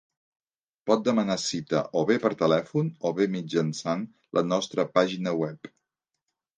Pot demanar cita o bé per telèfon o bé mitjançant la nostra pàgina web.